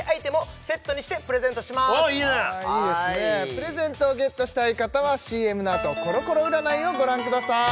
プレゼントをゲットしたい方はＣＭのあとコロコロ占いをご覧ください